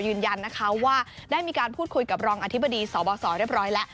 ยืนยันนะคะว่าได้มีการพูดคุยกับรองอธิบดีสบสเรียบร้อยแล้ว